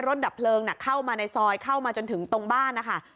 ดับเพลิงเข้ามาในซอยเข้ามาจนถึงตรงบ้านนะคะ